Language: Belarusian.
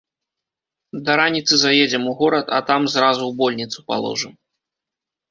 Да раніцы заедзем у горад, а там зразу ў больніцу паложым.